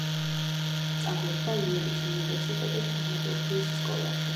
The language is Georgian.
სწავლობდა იელის უნივერსიტეტის დრამატურგიის სკოლაში.